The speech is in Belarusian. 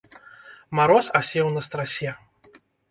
Мароз асеў на страсе.